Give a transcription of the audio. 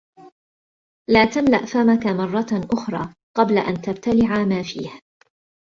لا تملىء فمك مرة أخرى قبل أن تبتلع ما فيه.